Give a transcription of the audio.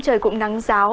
trời cũng nắng giáo